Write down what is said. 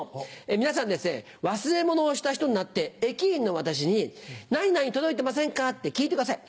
皆さんですね忘れ物をした人になって駅員の私に「何々届いてませんか？」って聞いてください。